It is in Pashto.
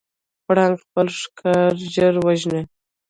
پړانګ خپل ښکار ژر وژني.